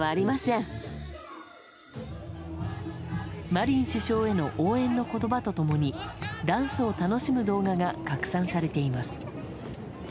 マリン首相への応援の言葉と共にダンスを楽しむ動画が拡散されています。